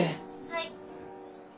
はい。